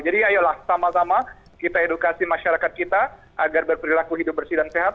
jadi ayolah sama sama kita edukasi masyarakat kita agar berperilaku hidup bersih dan sehat